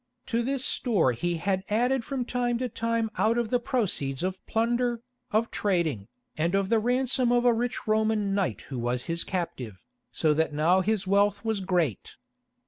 To this store he had added from time to time out of the proceeds of plunder, of trading, and of the ransom of a rich Roman knight who was his captive, so that now his wealth was great.